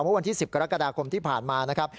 เมื่อวันที่๑๐กรกฎาคมที่ผ่านมานะครับ